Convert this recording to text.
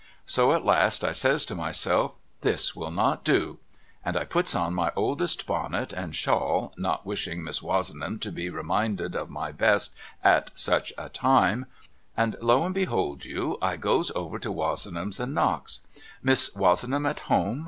So at last I says to myself ' This will not do,' and I puts on my oldest bonnet and shawl not wishing Miss \\'ozenham to be reminded of my best at such a time, and lo and behold you I goes 364 MRS. LIRRIPER'S LEGACY over to Wozenham's and knocks. ' Miss Wozenham at home